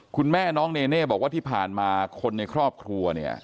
คุณแม่น้องเนเน่บอกว่าที่ผ่านมาคนในครอบครัวเนี่ย